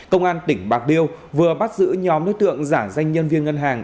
công an tỉnh bạc liêu vừa bắt giữ nhóm đối tượng giả danh nhân viên ngân hàng